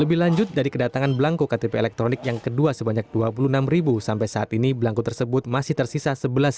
lebih lanjut dari kedatangan belangko ktp elektronik yang kedua sebanyak dua puluh enam sampai saat ini belangko tersebut masih tersisa sebelas